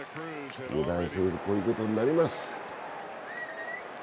油断するとこういうことになります。